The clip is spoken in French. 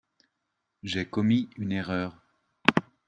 J'ai commis une erreur.